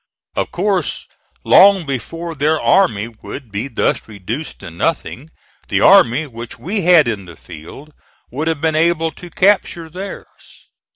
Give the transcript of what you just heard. Of course long before their army would be thus reduced to nothing the army which we had in the field would have been able to capture theirs.